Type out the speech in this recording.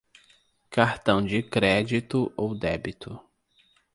Cartão de crédito ou débito